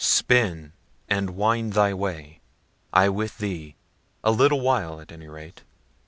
Spin and wind thy way I with thee, a little while, at any rate.